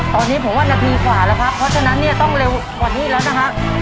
ตอนนี้ผมว่านาทีกว่าแล้วครับเพราะฉะนั้นเนี่ยต้องเร็วกว่านี้แล้วนะฮะ